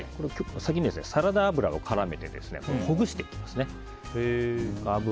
先にサラダ油を絡めてほぐしていきます。